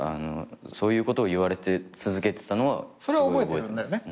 そういうことを言われて続けてたのはすごい覚えてます。